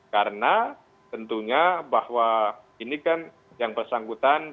karena tentunya bahwa ini kan yang bersangkutan